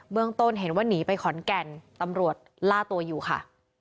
เมืองต้นเห็นว่าหนีไปขอนแก่นตำรวจล่าตัวอยู่ค่ะ